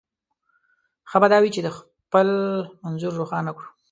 ښه به دا وي چې خپل منظور روښانه کړو.